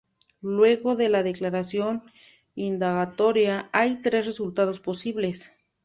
Luego de la declaración indagatoria, hay tres resultados posibles.